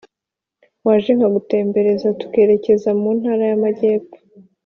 Waje nkagutembereza tukerekeza mu Ntara y’Amajyepfo